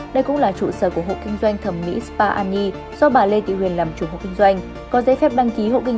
đây cũng là trụ sở của hộ kinh doanh thẩm mỹ spa an nhi do bà lê thị huyền làm chủ hộ kinh doanh